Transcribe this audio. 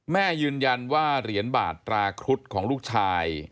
แม่ยืนยันว่าเหรียญบาทตราครุฑของลูกชาย